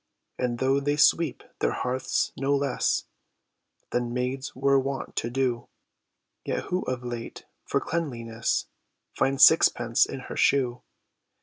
And though they sweep their hearths no less Than maids were wont to do, Yet who of late, for cleanliness, Finds sixpence in her shoe?